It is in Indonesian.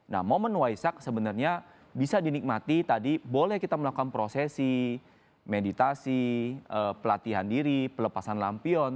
nah momen waisak sebenarnya bisa dinikmati tadi boleh kita melakukan prosesi meditasi pelatihan diri pelepasan lampion